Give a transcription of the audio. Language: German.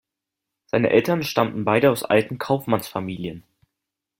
Seine Eltern stammten beide aus alten Kaufmannsfamilien.